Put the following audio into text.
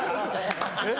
えっ？